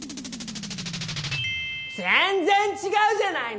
全然違うじゃないの！